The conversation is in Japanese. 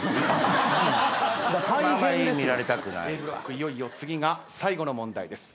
いよいよ次が最後の問題です。